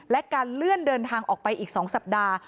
และการเลื่อนเดินทางออกไปอีก๒สัปดาห์